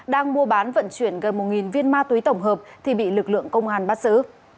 đang mua bán vận chuyển gần một viên ma túy tổng hợp thì bị lực lượng công an bắt giữ